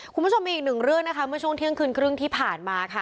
คุณผู้ชมมีอีกหนึ่งเรื่องนะคะเมื่อช่วงเที่ยงคืนครึ่งที่ผ่านมาค่ะ